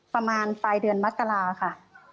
ประมาณปลายเดือนมกราค่ะ